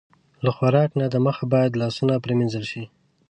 له خوراک نه د مخه باید لاسونه پرېمنځل شي.